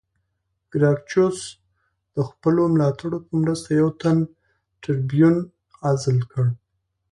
ګراکچوس د خپلو ملاتړو په مرسته یو تن ټربیون عزل کړ